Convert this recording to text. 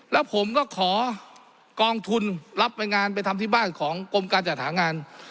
แล้วผมก็ขอกองทุนรับไปงานไปทำที่บ้านของกรมการจัดหางาน